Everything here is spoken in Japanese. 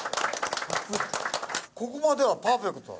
ここまではパーフェクト。